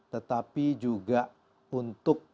tetapi juga untuk melakukan memberikan keuntungan